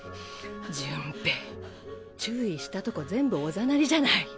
潤平注意したとこ全部おざなりじゃない。